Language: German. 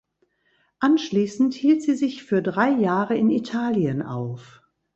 Anschließend hielt sie sich für drei Jahre in Italien auf.